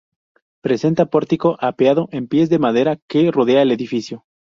Presenta pórtico apeado en pies de madera que rodea al edificio.